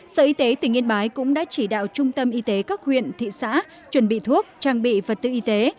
sở y tế tỉnh yên bái cũng đã chỉ đạo trung tâm y tế các huyện thị xã chuẩn bị thuốc trang bị vật tư y tế